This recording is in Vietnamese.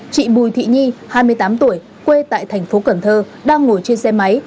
chị bùi thị nhi hai mươi tám tuổi quê tại thành phố cần thơ đang ngồi trên xe máy